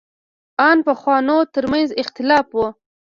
ان پخوانو تر منځ اختلاف و.